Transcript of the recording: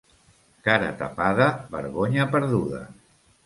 Cara tapada, vergonya perduda.